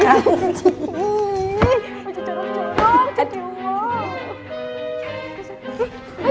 janji di belakang